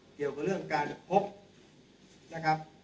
เกี่ยวกับเรื่องการพบสารที่เกี่ยวกับ